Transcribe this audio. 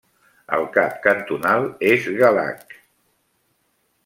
El cap cantonal és Galhac.